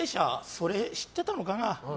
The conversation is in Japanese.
それ、知ってたのかな？